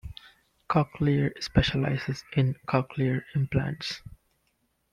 Cochlear specializes in Cochlear Implants.